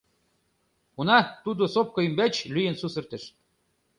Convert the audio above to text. Уна, тудо сопка ӱмбач лӱен сусыртыш.